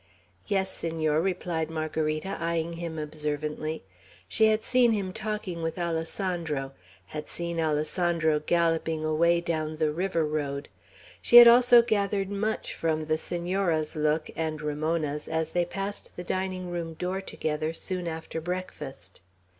"Yes, Senor," replied Margarita, eyeing him observantly. She had seen him talking with Alessandro, had seen Alessandro galloping away down the river road. She had also gathered much from the Senora's look, and Ramona's, as they passed the dining room door together soon after breakfast.